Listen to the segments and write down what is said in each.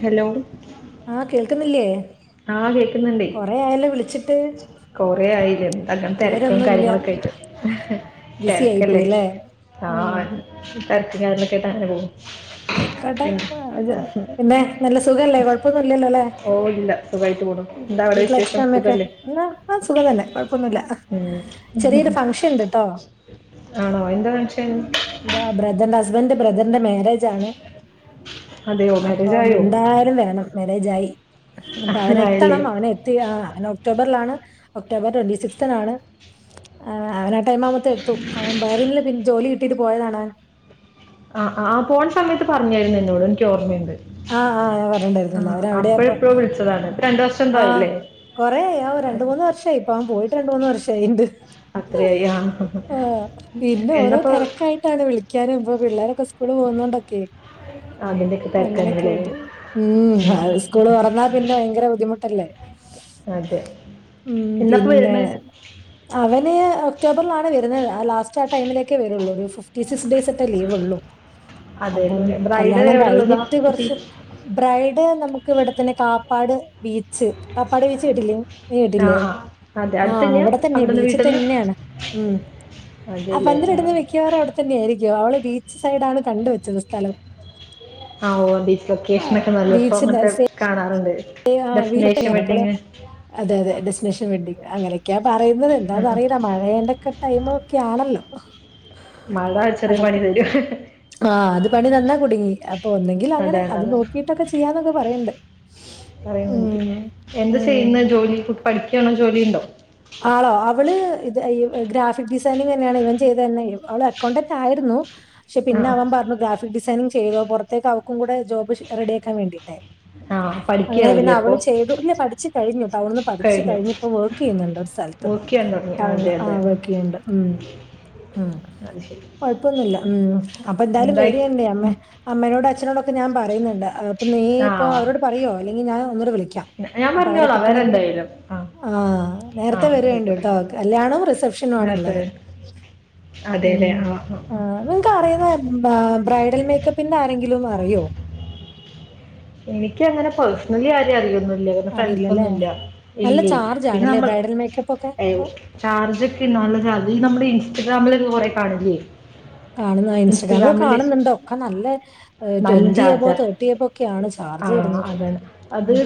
Hello ആഹ് കേൾക്കുന്നില്ലേ ആ കൊറെ ആയല്ലോ വിളിച്ചിട്ട് കൊറെ ആയിലെ എന്ത അങ്ങനെ തിരക്കും വിവരൊന്നുല്ല കാര്യങ്ങളൊക്കെ ആയിട്ട് ബിസി തിരക്കല്ലേ ആയിപ്പോയിലെ. ആ തെരക്കും കാര്യങ്ങളൊക്കെ ആയിട്ട് അങ്ങനെ പോവും. ആയിക്കോട്ടെ. പിന്നെ നല്ല സുഖല്ലേ കൊഴപ്പൊന്നുംല്ല ല്ലോല്ലേ. ഓ ഇല്ല സുഖമായിട്ട് പോണു എന്താ അവിടെ വീട്ടില് അച്ഛനും വിശേഷം അമ്മയൊക്കെ. സുഖല്ലേ ആ സുഖം തന്നെ കൊഴപ്പൊന്നുല്ല. ഉം. ചെറിയൊരു ഫംഗ്ഷൻ ഉണ്ട്ട്ടോ. ആണോ. എന്താ ഫംഗഷൻ? എന്താ ബ്രദറിന്റെ ഹസ്ബന്റിന്റെ ബ്രദറിന്റെ മാരേജ് ആണ്. അതെയോ മാരേജ് അപ്പം ആയോ എന്തായാലും വേണം. മാരേജായി അപ്പൊ ആയല്ലേ അവനെത്തണം അവൻ എ ത്തി ആ അവൻ ഒക്ടോബറിലാണ്. October twenty സിക്സ്തിനാണ്. ആഹ് അവൻ ആ ടൈം ആവുമ്പോ ത്തിന് എത്തും. അവൻ ബഹ്‌റൈനില് ജോലി കിട്ടിയിട്ട് പോയതാണ്. ആഹ് ആ പോണ സമയത്ത് പറഞ്ഞായിരുന്നു എന്നോട്. എനിക്ക് ഓർമ്മയുണ്ട്. ആഹ് ആ. വരാന്ന് ആ പറഞ്ഞിട്ടുണ്ടായിരുന്നല്ലേ. അവൻ എവിടെയാ അപ്പൊ. അപ്പോഴെപ്പോഴോ വിളിച്ചതാണ് ഇപ്പൊ രണ്ടു വർഷം ആ എന്തായില്ലേ കൊറേ ആയി രണ്ട് മൂന്ന് വർഷായി. ഇപ്പൊ അവൻ പോയിട്ട് രണ്ട് മൂന്ന് വർഷായിട്ട്ണ്ട്. അത്രയായി ആഹ് എന്നപ്പോ, തിരക്കായിട്ടാണ് വിളിക്കാന് ഇപ്പൊ പിള്ളേരൊക്കെ സ്കൂള് പോകുന്നത് കൊണ്ടൊക്കെ. ആ അതിന്റൊക്കെ. അങ്ങനെയൊക്കെ ആയിട്ട്. ഉം സ്കൂള് തൊറന്നാ പിന്നെ ഭയങ്കര ബുദ്ധിമുട്ടല്ലേ. അതെ ഉം എന്നൊക്കെ പിന്നെ. വരണ് അവന് ഒക്ടോബറിലാണ് വരുന്നത്. ആ ലാസ്റ്റ് ആ ടൈമിലൊക്കെ വരുള്ളൂ. ഒരു സ ഫിഫ്റ്റി സിക്സ് ഡേയ്സ് ഒക്കെ ലീവ് ഉള്ളു. അതെ ഉള്ളൂ അപ്പം അല്ലേ ബ്രൈഡ് കല്യാണം എവിടെ ഉള്ളതാ കഴിഞ്ഞിട്ട്, കുട്ടി കുറച്ച് ബ്രൈഡ് നമുക്ക് ഇവിടെ തന്നെ കാപ്പാട് ബീച്ച്. കാപ്പാട് ബീച്ച് കേട്ടിട്ടില്ലേ? ആ ട്ടില്ലേ ആ അതെ അടുത്ത് ആഹ് അവിടെ തന്നെയാ ബീച്ച് ത്തന്നെയാണ് ഉം. അതേല്ലേ മിന്ന് കെട്ടുന്നത് മിക്കവാറും അവിടെത്തന്നെ ആയിരിക്കും. അവള് ബീച്ച് സൈഡാണ് കണ്ട് വെച്ചത് സ്ഥലം. ആ ഓ ബീച്ച് ആ ലൊക്കേഷൻ ഒക്കെ നല്ല ഇപ്പൊ. ബീച്ചിന്റെ അങ്ങനത്തെ സെ- കാണാറുണ്ട്, ആ ബീച്ച് ഡെസ്റ്റിനേഷൻ തന്നെയാണ് അപ്പോൾ വെഡ്ഡിങ്. അതെ അതെ ഡെസ്റ്റിനേഷൻ വെഡിങ്ങ്. അങ്ങനൊക്കെയാ പറയുന്നത്. ആ എന്താന്ന് അറിയില്ല മഴയായോണ്ടൊക്കെ, ടൈം ഒക്കെ ആണല്ലോ. മഴ ചെറിയ പണി തരും. ആഹ അത് പണി തന്നാ കുടുങ്ങി. അപ്പൊ ഒന്നെങ്കിൽ അങ്ങനെ, അതാണ് അത് അതാണ് നോക്കിട്ടൊക്കെ ചെയ്യാന്നൊക്കെ പറയ്ണ്ട്. പറയുന്നുണ്ട്. എന്താ ചെയ്യുന്നെ ജോലി പഠിക്കാണോ ജോലി ഉണ്ടോ? ആളോ, അവള് ഇത് ഈ ഗ്രാഫിക് ഡിസൈനിങ് തന്നെയാണ്. ഇവൻ ചെയ്തത് തന്നെ, അവള് അക്കൗണ്ടന്റ് ആയിരുന്നു. പക്ഷെ ആ പിന്നെ അവൻ പറഞ്ഞു ഗ്രാഫിക് ഡിസൈനിങ് ചെയ്തോ. പുറത്തേക്ക് അവക്കും കൂടെ ജോബ് റെഡിയാക്കാൻ വേണ്ടി. ട്ടെ ആ അങ്ങനെ പിന്നെ പഠിക്കാവൂലേ അവള് അപ്പോൾ ചെയ്തു. ഇല്ല പഠിച്ചുഴിഞ്ഞു അവളന്ന് പഠിച്ച് കഴിഞ്ഞു കഴിഞ്ഞ് ഇപ്പം വർക്ക് ചെയ്യുന്നുണ്ട്. ൽത്ത്. വർക്ക് ചെയ്യാൻ തുടങ്ങി അതെ [unintelligible] ആ അതെ വർക്ക് ചെയ്യ്ണ്ട് ഉം. ഉം അത് ശരി കൊഴപ്പൊന്നുമില്ല. ഉം അപ്പ എന്തായാലും എന്തായി വരേ അമ്മേ ഉം. അമ്മേനോടും അച്ഛനോടൊക്കെ ഞാൻ പറയുന്നുണ്ട്. ഏഹ് അപ്പൊ നീ ഇപ്പൊ ആ അവരോട് പറയുവോ, അല്ലെങ്കിൽ ഞാൻ ഒന്നൂടെ വിളിക്കാം. ഞ- ഞാൻ ഇപ്പൊ അവരെ പറഞ്ഞോളാം കിട്ടണമെങ്കില്. വരെന്തായാലും ആ ആ നേരത്തെ ആയിക്കോട്ടെ വരേണ്ടിട്ടോ. കല്യാണോം റിസപ്ഷനും നേരത്തെ ആണുള്ളത്. അതെ ഉം അല്ലേ ആ ആ നിങ്ങക്ക് അറിയുന്ന ആയിരുന്നു ബ ബ്രൈഡൽ മേക്കപ്പിന്റെ ആരെങ്കിലും അറിയോ? എനിക്ക് അങ്ങനെ പേഴ്സണലി ആരെയും അറിയൊന്നു ല്ലെ ഫ്രണ്ട്സ് അറിയില്ലല്ലേ ഒന്നുംല്ല. നല്ല ഇല്ലെ ചാർജ് പിന്നെ ആണല്ലേ നമ്മ ബ്രൈഡൽ മേക്കപ്പ് ഒക്കെ ഇപ്പൊ ചാർജ് ഒക്കെള്ള അത് നമ്മുടെ ഇൻസ്റ്റഗ്രാമില് ഒക്കെ കുറെ കാണില്ലേ. കാണുന്ന ഇൻസ്റ്റഗ്രാമില് ഇൻസ്റ്റഗ്രാമിൽ കാണുന്നുണ്ട് ഒക്കെ നല്ല, നല്ല ട്വന്റി എബോ ചാർജാ തേർട്ടി എബോ ഒക്കെയാണ് ആ ചാർജ് വരുന്നത്. ഉം.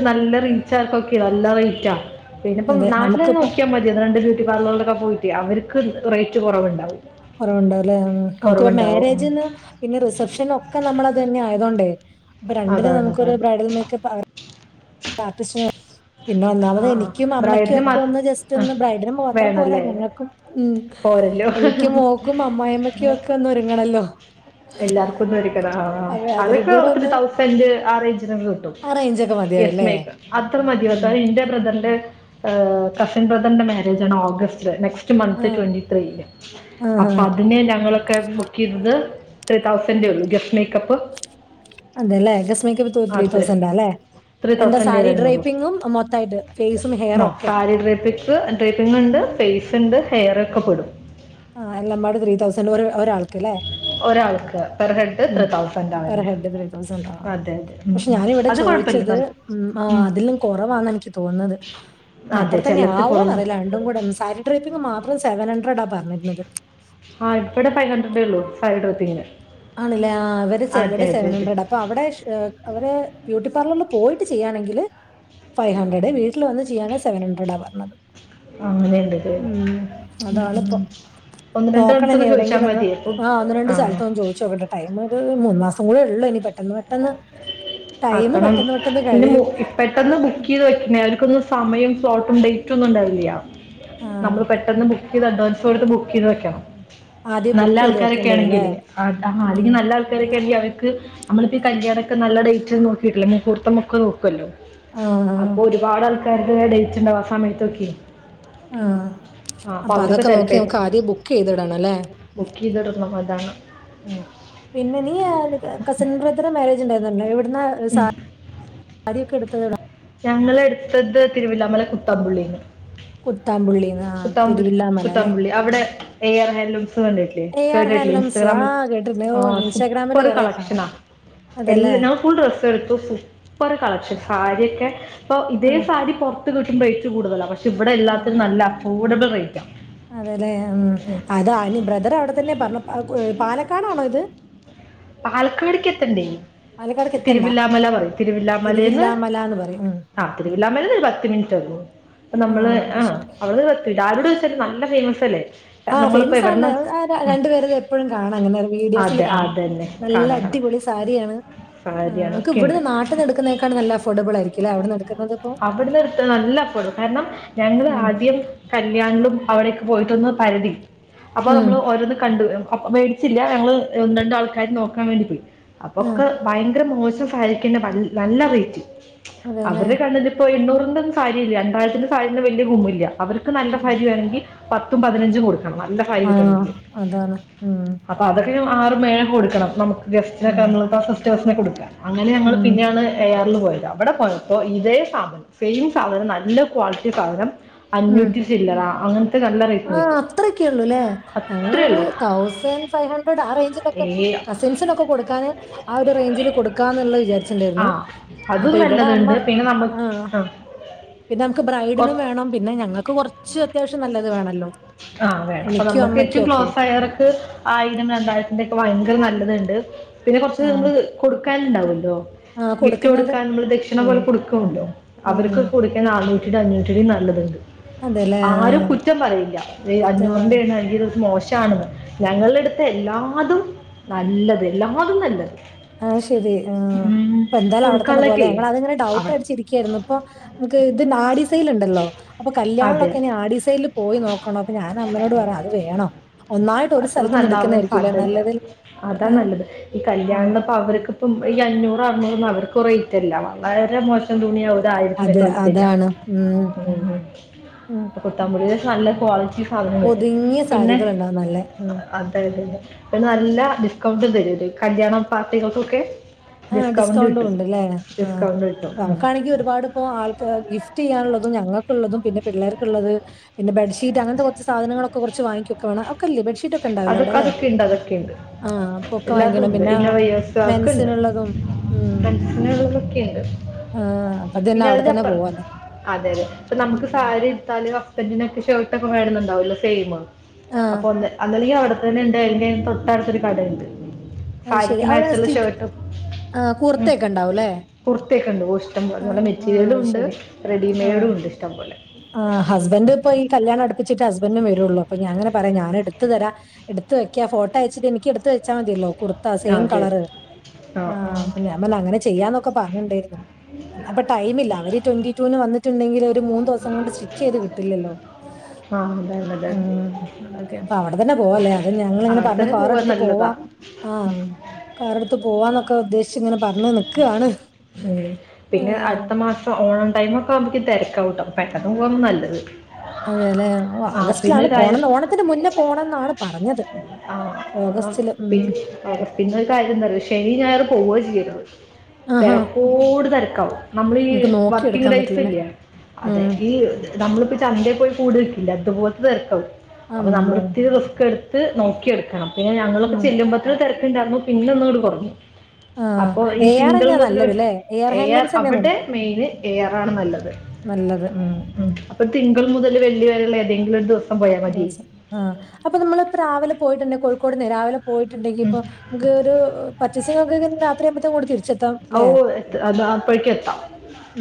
ച്ചാർക്കൊക്കെ നല്ല റേറ്റാ. പിന്ന ഇപ്പം അതെ നാട്ടിൽന്നന്ന് നമുക്കിപ്പോ നോക്കാൻ മ രണ്ട് ബ്യൂട്ടി പാർലറിലൊക്കെ പോയിട്ടെ അവർക്ക് റേറ്റ് കുറവുണ്ടാവും. കുറവുണ്ടാവല്ലേ. നമുക്കി കുറവുണ്ടാവും ഉം. മാരേജിന്ന് പിന്നെ റിസപ്ഷനൊക്കെ നമ്മള് അത് തന്നെ ആയതൊണ്ടേ അപ്പൊ രണ്ടിനും അതാണ് നമുക്കൊരു അതാണ് ബ്രൈഡൽ മേക്കപ്പ് ആർ [unintelligible] പിന്നെ ആ ഒന്നാമത് ആ എനിക്കും അമ്മയ്ക്കും ബ്രൈഡിന് ഒക്കെ മാത്ര ഒന്ന് ജസ്റ്റ് ആ ഒന്ന് ബ്രൈഡിന് മാത്രം പോരാ വേണമല്ലേ ഞങ്ങക്കും. ഉം പോരല്ലോ എനിക്കും മോക്കും അമ്മായിമ്മക്കും ഒക്കെ ഒന്ന് ഒരുങ്ങണല്ലോ എല്ലാർക്കും ഒന്നും ഒരുങ്ങണം ആഹ് ആഹ് അതെ അതിലും അതൊക്കെ കൂടെ ഒര് തൗസന്റ് ആ റേഞ്ചിനൊക്ക കിട്ടും [unintelligible] മതിയാർ യെസ് മേക്ക് അത്ര മതി [unintelligible] എന്റെ ബ്രദറിന്റെ് ഏഹ് കസിൻ ബ്രദറിന്റെ മാരേജ് ആണ് ഓഗസറ്റില് നെക്സ് [unintelligible] മന്ത് ആഹ് ട്വന്റി ത്രീക്ക് ആഹ് അപ്പ അതിന് ഞങ്ങളൊക്കെ ബുക്ക് ചെയ്തത് ത്രീ തൗസന്റെ ആഹ്. ഉള്ളൂ ഗസ്റ്റ് മേക്കപ്പ് അതെല്ലേ ഗസ്റ്റ് മേക്കപ്പ് ടു ത്രീ അത്രേ തൗസൻഡാ അല്ലേ ത്രീ എന്റെ തൗസൻഡേ സാരി വരുന്നുള്ളൂ ഡ്രേപ്പിങ്ങും മൊത്തായിട്ട് ഫേസും ഹെയറൊക്കെ [unintelligible] ഡ്രേപ്പിംങ്ങ് ഉണ്ട് ഫേസ് ഉണ്ട് ഹെയർ ഒക്കെ പെടും ആഹ് എല്ലാം പാട് ത്രീ തൗസൻഡ് ഒര ഒരാൾക്ക്ല്ലേ ഒരാൾക്ക് പെർ ഹെഡ് ഉം ത്രീ തൗസൻഡ് പെർ ആവുന്നു ഹെഡ് ത്രീ തൗസൻഡാ അതെ അതെ ഉം, പക്ഷെ ഉം. ഞാന് ഇവിടെ അത് കുഴപ്പമില്ല ചോയിച്ചത് നല്ല ഉം ആഹ് അതിലും കൊറവാന്നാ എനിക്ക് തോന്നുന്നത് ഇനി അതെ അത്ര തന്നെ ചിലർക്ക് ആവൂന്ന് കുറവും അറിയില്ല രണ്ടും കൂടെ സാരി ട്രേപ്പിങ്ങ് മാത്രം സെവൻ ഹൺഡ്രഡാ പറഞ്ഞിരുന്നത് ആഹ് ഇവടെ ഫൈവ് ഹൺഡ്രഡേ ഉള്ളൂ സാരി ഡ്രേപ്പിങ്ങിന് ആണല്ലേ ആഹ് അവര് സെ ഇവിടെ സെവൻ ഹൻഡ്രഡാ ഇപ്പൊ അവിടെ ശ് അവര് ബ്യൂട്ടി പാർലറില് പോയിട്ട് ചെയ്യാണെങ്കില് ഫൈവ് ഹൺഡ്രഡ് വീട്ടില് വന്ന് ചെയ്യാണേൽ സെവൺ ഹൺണ്ട്രഡാ പറഞ്ഞത് അങ്ങനെയുണ്ട് ഇത്. ഉം ഉം, അതാണ് ഉം, ഇപ്പം ഉം. ഒന്ന് നോക്കണം ഇനി രണ്ടെണ്ണത്തൊക്കെ ചോദിച്ചാൽ എവിടേങ്കിലും ഒന്ന് മതി അപ്പം ആഹ് ഒന്ന് രണ്ട് ആ സ്ഥലത്തൊന്ന് ചോദിച്ചോ [unintelligible] ടൈം ഒര് മൂന്ന് മാസം കൂടെ ഉള്ളൂ ഇനി പെട്ടന്ന് പെട്ടെന്ന് ടൈം ആക്കണം പെട്ടെന്ന് പെട്ടെന്ന് പിന്നെ കഴിയും [unintelligible] പെട്ടെന്ന് ബുക്ക് ഉം. ചെയ്ത് വെക്കണേ അവര്ക്കൊന്നും സമയം സ്ലോട്ടും ഡേറ്റും ഒന്നും ഉണ്ടാവില്യ ആ നമ്മള് പെട്ടെന്ന് ബുക്ക് ചെയ്ത് അഡ്വാൻസ് കൊടുത്ത് ബുക്ക് ചെയ്ത് വെക്കണം ആദ്യം നല്ല ബുക്ക് ചെയ്ത് ആൾക്കാരൊക്കെ വെക്കേണ്ടി വരും അല്ലേ ആണെങ്കില് [unintelligible] ഉം. അല്ലെങ്കിൽ നല്ല ആൾ [unintelligible] അവർക്ക് നമ്മളിപ്പ ഈ കല്യാണൊക്കെ നല്ല ഡേറ്റ് നോക്കിട്ടില്ലേ മുഹൂർത്തമൊക്കെ നോക്കുവല്ലോ ആ ആ, അപ്പൊ ഒരുപാട് ആൾക്കാരുടെ ഡേറ്റ്ണ്ടാവും ആ സമയത്തൊക്കെ ആഹ് ആ അപ്പൊ അവരൊക്കെ അതൊക്ക നോക്കി തിരക്കായി നമ്മക്ക് പോകും ആദ്യെ ബുക്ക് ചെയ്തിടണല്ലേ ബുക്ക് ചെയ്തിടണം അതാണ് ഉം പിന്നെ നീ കസിൻ ബ്രദറ് മാരേജ് ഉണ്ടായിരുന്നല്ലോ എവിടുന്ന് സാ ഉം. സാരിയൊക്കെ എടുത്തത് എവ്ടാ ഞങ്ങളെടുത്തത് തിരുവില്ലാ മല കുത്താമ്പുള്ളീന്ന് കുത്താംമ്പുള്ളിയൊ കുത്താമ്പുള്ളി കുത്താമ്പുള്ളി അവിടെ എയർ ഹല്ലൂസ്ന്ന് പറഞ്ഞി എ ആർ [unintelligible] ഹാൻഡ്ലൂംസ് ആ ഇൻസ്റ്റഗ്രാമിൽ കേട്ടിട്ടുണ്ട് ഓ ആഹ് ഇൻസ്റ്റാഗ്രാമിൽ സൂപ്പർ കുറെ കാണാം കളക്ഷന അതെല്ലാം എല്ലാ ഞാൻ ഫുൾ ഡ്രസ്സ് എടുത്തു സൂപ്പർ കളക്ഷൻ സാരിയക്കെ ഇപ്പൊ ഇതേ ആഹ് സാരി പൊറ [unintelligible] കിട്ടും റേറ്റ് കൂടുതല പക്ഷെ ഇവിടെ എല്ലാത്തിനും നല്ല അഫോഡബിൾ റേറ്റാ അതെല്ലെ ഉം അത അയിന് ബ്രദർ അവിടെ തന്നെ പറഞ്ഞു പാലക്കാടാണോ ഇത് പാലക്കാട്ക്ക് എത്തണ്ടേ പാലക്കാടേക്ക് എത്തണ്ട തിരുവില്ലാമല പറയും തിരുവില്ലാ മലേന്ന് തിരുവില്ലാമലാന്ന് പറയും ഉം ആഹ് തിരുവില്ലാ മലേന്ന് ഒരു പത്ത് മിനിറ്റേ ഒള്ളു അപ്പ നമ്മള് അത് ആഹ് ശരി അവള് ഇട ആരോട് ചോയ്ച്ചാലും നല്ല ഫേമസ് അല്ലേ ആഹ് നമ്മളിപ്പോ ഫേമസ് ആന്ന് എവിടെന്ന ആഹ് രണ്ടു പേരത് എപ്പഴും കാണാം ഇങ്ങനെ വീഡിയോസില് അതെ കാണാം അതന്നെ നല്ല കാണാം കാണാം അടിപൊളി സാരിയാണ് ആഹ് സാരി ങ്ങക്ക് അതൊക്കെ ഉണ്ട് ഇവിടുന്ന് നാട്ടിന്ന് എടുക്കുന്നേക്കാട്ടി നല്ല അഫോർഡബിൾ ആയിരിക്കില്ലേ അവിടുന്ന് എടുക്കുന്നത് ഇപ്പോ അവിടുന്ന് എടുത്ത നല്ല അഫോർഡ് കാരണം ഞങ്ങള് ആദ്യം കല്യാണിലും അവിടൊക്കെ പോയിട്ടൊന്ന് പരതി അപ്പൊ ഉം നമ്മള് ഓരോന്ന് കണ്ടു അപ്പ് മേടി [unintelligible] ഞങ്ങള് ഒന്ന് രണ്ട് ആൾക്കാര് നോക്കാൻ വേണ്ടി പോയി ആ അപ്പൊക്കെ ഭയങ്കര മോശം [unintelligible] നൽ നല്ല റേറ്റ് അതേല്ലേ അവരെ കണ്ടേന്റെ ഇപ്പൊ എണ്ണൂറിൻന്റെ സാരില്ല രണ്ടാഴത്തിന്റെ സാരി വലിയ ഗുമില്ല അവർക്ക് നല്ല സാരിവെണെങ്കിൽ പത്തും പതിനഞ്ചും കൊടുക്കണം നല്ല സാരി ആ കിട്ടണ്ടെങ്കില് അതാണ് ഉം അതൊക്കെ ആറും ഏഴും കൊടുക്കണം നമക്ക് ഗസ്റ്റിനെ ഉം ആ സിസ്റ്റേഴ്സിനേകെടുക്കാം അങ്ങനെ ഞങ്ങൾ ഉം പിന്നെയാണ് എയാറിൽ പോയത് അവിടെ പോയപ്പോ ഇതേ സാധന സെയിം സാധന നല്ല ക്വാളിറ്റി സാധനം ഉം അഞ്ഞൂറ്റി ചില്ലറ അങ്ങനത്തെ നല്ല ആ റേറ്റന് കിട്ടും അത്രയൊക്കെ ഉള്ളൂ അല്ലേ ഞങ്ങളൊരു അത്രളു തൗസൻഡ് ഫൈവ് അണ്ടർഡ് ആ റേജ് കസിൻസിനൊക്കെ കൊടുക്കാൻ ആ ഒരു റേഞ്ചില് കൊടുക്കാന്നുള്ളേ ആ വിചാരിച്ചിണ്ടായിരുന്നു അതും നല്ലതുണ്ട് പിന്നെ നമ്മക്ക് ആഹ പിന്നെ നമുക്ക് ബ്രൈഡും വേണം പിന്നെ ഞങ്ങൾക്ക് കുറച്ച് അത്യാവശ്യം നല്ലത് വേണല്ലോ ആഹ വേണം അപ്പൊ നമ്മുക്ക് ഏറ്റവും ക്ലോസ് ആയവർക്ക് ആയിരം രണ്ടായിരത്തിന്റെ ഒക്കെ ഭയങ്കര നല്ലത് ഇണ്ട് പിന്നെ കൊറച്ച് ആ നമ്മൾ കൊടുക്കാനുണ്ടാവല്ലോ ആ ഗിഫ്റ്റ് കൊടുക്കുന്നത് കൊടുക്കാൻ നമ്മള് ദേക്ഷിണ ഉം പോലെ കൊടുക്കേലേ ഉം അവർക്ക് ഉം കൊടുക്ക്ണെ ആറുനൂറ്റിടെ അഞ്ഞൂറ്റിടെ നല്ലത്ണ്ട് അതെല്ലേ ആരും കുറ്റം പറയില്ല ആ. അഞ്ഞൂറിന്റെയണ് അല്ലെങ്കി ഇത് മോശമാണെന്ന് ഞങ്ങളുടെ അടുത്ത് എല്ലാതും നല്ലത് എല്ലാതും നല്ലത് ആഹ് ശരി ആഹ ഉം, അപ്പെ എന്തായലു അവിടെത്തന്നെ പോവലെ കൊടുക്കാനുള്ളൊക്കെ ഞങ്ങൾ ആഹ് അങ്ങനെ ഡൗട്ട് അവർ അടിച്ചിരിക്കയിരുന്നു അടിച്ചിരിക്കായിരുന്നു ഇപ്പൊ നമുക്ക് ഇത് ആഡീസെൽ ഉണ്ടല്ലോ അപ്പൊ അതെ കല്യാണൊക്കെ ഇനി ആടിസെൽ പോയി നോക്കണോ അപ്പൊ ഞാനൻ അമ്മനോട് പറയ അത് വേണോ ഒന്നായിട്ട് ഒരു അത്ര സ്ഥലത്തുന്ന് നന്നവാൻ എടുക്കുന്നതായിരിക്കുംല്ലേ സാധ്യല്ല നല്ലത്. അതാ ആഹ് നല്ലത് ഈ ഉം. കല്യാണപ്പോ അവരക്കെ ഇപ്പം ഈ അഞ്ഞൂറ് അറുനൂർന്നും അവർക്ക് റേറ്റ അല്ല വളരെ മോശം തുണിയത അതെ ആയിരതിക്കെ തെരാ അതാണ്. ഉം ഉം. കുത്താമ്പുടി [unintelligible] നല്ല ക്വാളിറ്റി സാധനം കിട്ടും ഒതുങ്ങിയ പിന്നെ സാരികളുണ്ടാവും നല്ലെ. ഉം. അതായത് പിന്നെ നല്ല ഡിസ്കൗണ്ട് തരും ഒരു കല്യാണ പാർട്ടികൾക്കൊക്കെ ആഹ ഡിസ്കൗണ്ട് ഡിസ്കൗണ്ടും കിട്ടും ഇണ്ട്ല്ലേ ആ ഡിസ്കൗണ്ട് കിട്ടും ഉം. നമുക്കാണെങ്കിൽ ഒരുപാട് അ ആൾ ഗിഫ്റ്റ് ചെയ്യാനുള്ളത് ഞങ്ങൾക്കുള്ളതും പിന്നെ പിള്ളേർക്കുള്ളത് പിന്നെ ബെ ഷീറ്റ് അങ്ങനത്തെ കുറച്ച് സാധനങ്ങളൊക്കെ കുറച്ച് വാങ്ങിക്കക്കെ വേണം ഒക്കെല്ലേ ബെഡ്ഷീറ്റ് ഒക്കെണ്ടാവുല്ലെ അവിടെ അതൊക്കെ അല്ലെ അതൊക്കെ ഉണ്ട് അതൊക്കെ ഉണ്ട് ആഹ പൊക്കെ എല്ലാതും വാങ്ങണം ഉണ്ട് പിന്നെ ഇന്നോവേഴ്സ് മ ഒക്കെ ഉണ്ട് തും ഉം ഫ്രണ്ട്സിനുള്ളതൊക്കെ ഉണ്ട് അപ്പൊ അത്നെ പിന്നെ അവിടെ അതിന്റെ തന്നെ അപ്പുറം പോവല്ലെ അതെ അതെ അപ്പെ നമുക്ക് സാരി ഇട്ത്താല് അസ്ബന്റിനൊക്കെ ഷെർട്ട് ഒക്കെ വേണന്ന്ണ്ടാവല്ലോ സെയിം ആഹ് അപ്പൊന്ത ഒന്നില്ലങ്കി അവിടെതന്നെ ഇണ്ട് അല്ലെങ്കി അതിന്റെയും തൊട്ടടുത്തൊരു കടണ്ട് അത് ശരി സാരിക്ക് അവിടെ മെച്ച്ള്ള സ്റ്റി ഷേർട്ടും ആഹ് ഉം കൂർത്തയൊക്കെ ഉണ്ടാവുംല്ലേ കുറത്തക്കെ ഉണ്ടേ ഒ ഇഷ്ടം പോലെ ആഹ് ആഹ് മെറ്റീരിയലും അത് ഇണ്ട് ശരി റെഡിമെയ്ഡും ഉണ്ട് ഇഷ്ടംപോലെ ആഹ ഹസ്ബൻഡ ഇപ്പോ ഈല്യാണം അടിപ്പിച്ചിട്ടെ ഹസ്ബൻഡും വരൊള്ളൂ അപ്പൊ ഞങ്ങെനെ പറയാ ഞാൻ എടുത്തെ തരാ എടുത്ത വയ്ക്കാ ഫോട്ടോ അയച്ചിട്ട് എനിക്ക് എടുത്ത വെച്ചാൽ മതിയല്ലോ കുർത്ത ആ, സെയിം അതെ കളറ് ആ ആ ആഹ് അപ്പെ ഞൻ അങ്ങനെ ചെയ്യാന്നൊക്കെ പറഞ്ഞിണ്ടായിരുന്നു അപ്പെ ടൈമില്ല അവര് ട്വന്റി ടുവിന് വന്നിട്ടുണ്ടെങ്കിൽ ഒരു മൂന്ന് ദിവസം കൊണ്ട് സ്റ്റി ചെയ്ത് കിട്ടില്ലല്ലോ ആ അതാണ് അതാണ് ഉം അതൊക്കെ അപ്പൊ അവിടെ തന്നെ പോവല്ലേ അതന്നെ ഞങ്ങൾ ഇങ്ങനെ അവിടെ പറഞ്ഞ് തന്നെ പോവാൻ കറെടുത്ത് പോവാ നല്ലതാ ആഹ ഉം, കാറെടുത്ത് പോവാന്നൊക്കെ ഉദ്ദേശിച്ച് ഇങ്ങനെ പറഞ്ഞ് നിക്കണ് ഉം പിന്നെ അടുത്ത മാസം ഓണം ടൈമേക്കെ ആകുമ്പോക്ക് തെരക്കവുംട്ടേ പെട്ടെന്ന് പോക നല്ലത് അതെ അതെ ഓ ആ പിന്നെ ആഗസ്റ്റിലാണ് ഒരു കാര്യം പോണം ഓണത്തിന് മുന്നേ പോകണംന്നാണ് പറഞ്ഞത് ഓഗസ്റ്റില് ഉം അ പിന്നെരു കാര്യം എന്താ അറിയോ ശനി ഞായറ് പോവനെ ചെയ്യരുത് ആഹാ തെരക്കോട് തെരക്കാവും നമ്മളീ നമുക്ക് വർക്കിങ് നോക്കിയെടുക്കാൻ പറ്റില്ലല്ലേ ടൈയ്സില്ലെ അതെ ഉം ഈ നമ്മളിപ്പോ ചന്തേ പോയി കൂട് വെക്കില്ലേ അതുപോലത്തെ തിരക്കാവും അപ്പൊ അമ്മോ നമ്മളിത്തിരി റിസ്കെടുത് ത്ത് നോക്കിയെടുക്കണം. പിന്നെ ഞങ്ങളൊക്കെ ഉം ചെല്ലുമ്പോത്തിന് തിരക്കുണ്ടായിരുന്നു പിന്നെ ഒന്നോട് കൊറഞ്ഞു ആ അപ്പൊ ഈ എ ആർ തിങ്കൾ തന്നെയാ മുതൽ നല്ലത് ല്ലേ എ ആർ എയാർ ഹാൻഡ്ലൂംസ് തന്നെയാ അവിടെ നൽ- മെയിന് എയാർ ആണ് നല്ലത് നല്ലത് ഉം പ്പം തിങ്കൾ മുതല് വെള്ളി വരേള്ളെ ഏതെങ്കിലും ഒര് ദിവ് ദിവസം ആഹ് അപ്പൊ നമ്മളിപ്പ രാവിലെ പോയിട്ട്ണ്ടെ കോഴിക്കോട്ന്നെ രാവിലെ ഉം പോയിട്ട്ണ്ടെങ്കീപ്പം നമ്ക്ക് ഒരു പർച്ചേസിങ്ങൊക്കെയ്ഞ്ഞ് രാത്രിയാവുമ്പത്തേക്കും ങ്ങോട്ട് തിരിച്ചെത്താം ഔ അല്ലേ എത് അത് അപ്പഴെക്ക് എത്താം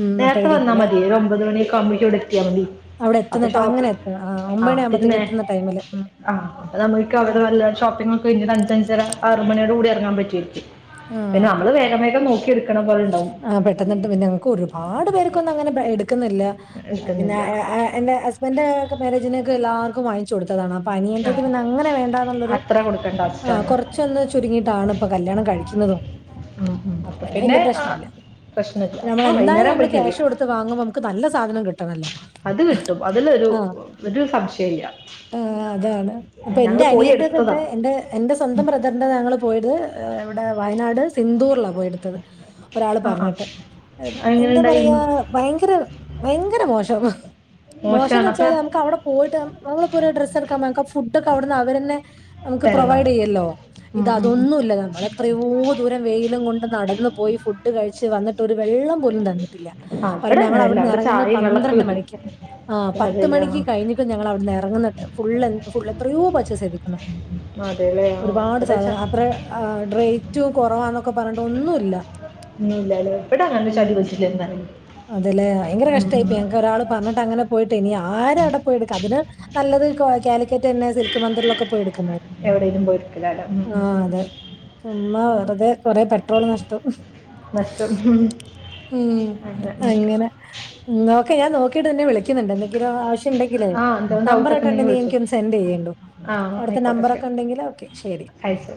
ഉം നേര്ത്തെ അപ്പോഴേക്കും എത്തല്ലേ വന്നാ മത്യേ ഒരാെമ്പത് മണിയൊക്കാവുമ്പെയേക്ക് ഇവിടെ എത്തിയാ മതി അവിടെ അപ്പ എത്തുന്ന ട അങ്ങനെ ഷോപ്പിൽ എത്തണം. ആ ഒമ്പത് ആഹ് ആകുമ്പത്തേക്ക് പിന്നേ എത്തുന്ന ടൈമില്. ഉം ആഹ് നമ്ക്ക് അവ്ടെ ഉം. നല്ലെ ഷോപ്പിങ്ങൊക്കെ കഴിഞ്ഞ്ട്ട് അഞ്ചഞ്ച് ഞ്ചരാ ആറുമണ്യോടൂടി എറെങ്ങാൻ പറ്റുവായിരിക്കും പിന്നെ നമ്മള് വേഗം വേഗം നോക്കി എട് ആഹ് പെട്ടെന്ന്‌ട്ത്ത് പിന്നെങ്ങെക്ക് ഒരു പാട് പേർക്കൊന്നും അങ്ങനെ ബ എട്ക്ക്ന്ന്ല്ലാ പിന്നെ എടുക്കുന്നില്ല എ എ എൻ്റെ ഹസ് ഇവന്റേ കെ മേരേജിനെക്കെ എല്ലാർക്കും വാങ്ങിച്ച് കൊട്ത്തതാണ് അപ്പൊ ആ അനിയെൻ്റെത് പിന്നെ അങ്ങെനെ വേണ്ടാന്ന്ള്ളൊര് അത്ര കൊടുക്കേണ്ട ആഹ് ആവശ്യമാണ് കൊർച്ചൊന്ന് ചുരുങ്ങിട്ടാണ് പ്പം കല്ല്യാണം കഴിക്ക്ന്നതും അപ്പം പിന്നെ വെല്യെ പ്രശ് ആ, സാര്ല്ല്യാ പ്രശ്നമില്ല അപ്പോൾ നമ്മെളെന്തായാലും വൈകുന്നേരം നമ്മള് ആകുമ്പോഴേക്കും ക്യാഷ് കഴിയും കൊട്ത്ത് വാങ്ങുമ്പോ നമുക്ക് നല്ല സാധനം കിട്ടണല്ലോ അത് കിട്ടും അതിലൊരു ഒരു സംശയില്ലാ ആഹ് അതാണ് അപ്പൊ എൻ്റെ അനിയന്റൊതൊക്കെ എടുത്തതാണ് എന്റെ എന്റെ സ്വന്തം ബ്രദറിന്റെത് ഞങ്ങള് പോയത് ഇവിടെ വയനാട് സിന്ദൂർലാ പോയെട്ത്തത് ഒരാള് ആ ആ പർണേട്ട് എപ് എങ്ങനെ എന്താ പറയാ ഉണ്ടായിരുന്നു ഭയെങ്കര ഭയെങ്കര മോശം മോശംന്ന് മോശമാണ് അപ്പൊ വെച്ചാല് നമ്ക്ക് അവിടെ പോയിട്ട് ന നമ്മള്പ്പോ ഒരു ഡ്രസ്സെട്ക്കാൻ പോയോക്കാ ഫുഡൊക്കെ അവിടുന്ന് അവെരെന്നെ നമുക്ക് തരണം പ്രൊവൈഡെയ്യല്ലോ ഉം ഉം ഉം. ഇതതൊന്നുംല്ല നമ്മളെത്രയോ ദൂരം വെയിലും കൊണ്ട് നടന്ന് പോയി ഫുഡ് കഴിച്ച് വന്ന് ട്ടൊര് വെള്ളം പോലും തന്നിട്ടില്ല ആ അവിടെ പറീമ്പം അങ്ങനെയല്ല അവിടെ ഞങ്ങഇവിട്ന്നെറെങ്ങ്ന്നെ ചായയും വെള്ളമൊക്കെ പന്ത്രണ്ട് കിട്ടും മണിക്കാ ആഹ് പത്ത് അതെല്ലേ ആ മണിക്ക് കഴിഞ്ഞിക്ക് ഞങ്ങളവിട്ന്ന് എറങ്ങ്ന്നട്ട് ഫുള്ള് ഫുൾ എത്രെയോ പർച്ചേസെയ്ത് ന്ന് അതെല്ലേ ആ ഒര്പാട് ഇവിടെ ച- സാധനം അത്രെ ആഹ് റെയ്റ്റും കാെറവാന്നൊക്കെ പർഞ്ഞിട്ട് ഒന്നൂല്ലാ ഒന്നൂല്ലാലോ ബടെ അങ്ങെനെ [unintelligible] അതെലേ ഭയെങ്കെരെ കഷ്ടായ്പ്പോയി ഞങ്ങക്കൊരാളും പർഞ്ഞിട്ടങ്ങെനെ പോയിട്ട് ഇനി ആരും അവടെ പോയി എട്ക്ക അതിന് നല്ലത് കോ കാലിക്കറ്റ് റ്റെന്നെ സിൽക്ക് മന്ദിർലൊക്കെ പോയി എട്ക്ക്ന്നെ എവിടേലും പോയ് ട്ക്കലാലം ഉം ഉം ഉം ഉം ചുമ്മാ വെറ്തേ കൊറേ പെട്രോള് നഷ്ടം നഷ്ടം ഹും ഉം അങ്ങെനെ നോക്കെ ഞാൻ നോക്കീട്ട് നിന്നെ വിളി ക്ക്ന്ന്ണ്ട് എന്തെങ്കിലും ആവശ്യംണ്ടെങ്കിലേ ആ എന്തെങ്കിലും ഡൗട്ടൊക്കെ നമ്പറാട്ട്ണ്ടെ ഉണ്ടെങ്കിൽ നീ വിളിച്ചോ എൻക്കൊന്ന് സെന്റെയ്യേണ്ടൂ ആ അവിട്ത്തെ നമ്പറൊക്കെണ്ടെങ്കില് ഓക്കെ ശെരി അയ്ച്ച്